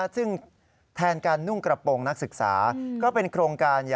ซึ่งแทนการนุ่งกระโปรงนักศึกษาก็เป็นโครงการ